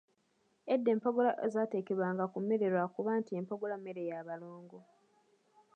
Edda empogola zaatekebwanga ku mmere lwa kuba nti empogola mmere ya Balongo.